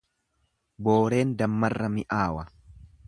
Booreen dammarra mi'aawa.